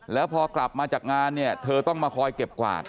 แล้วพอกลับมาจากงานเนี่ยเธอต้องมาคอยเก็บกวาด